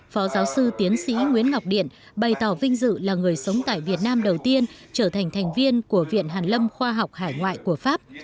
phó giáo sư tiến sĩ nguyễn ngọc điện bày tỏ vinh dự là người sống tại việt nam đầu tiên trở thành thành viên của viện hàn lâm khoa học hải ngoại của pháp